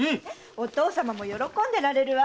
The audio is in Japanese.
お義父さまも喜んでられるわ。